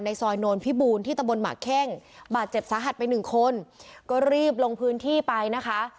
ซอยโนนพิบูรณที่ตะบนหมากเข้งบาดเจ็บสาหัสไปหนึ่งคนก็รีบลงพื้นที่ไปนะคะ